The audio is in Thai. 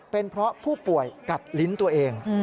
เป็นเพราะผู้ป่วยกัดลิ้นตัวเอง